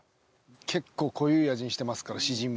結構濃ゆい味にしてますからシジミ。